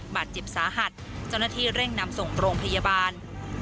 บาดเจ็บสาหัสเจ้าหน้าที่เร่งนำส่งโรงพยาบาล